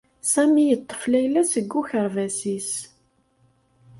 Sami yeṭṭef Layla seg ukerbas-is.